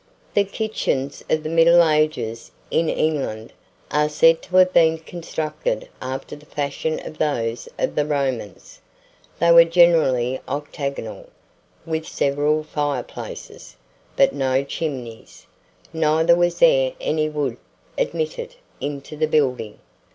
[Illustration: Fig. 1.] The kitchens of the Middle Ages, in England, are said to have been constructed after the fashion of those of the Romans. They were generally octagonal, with several fireplaces, but no chimneys; neither was there any wood admitted into the building.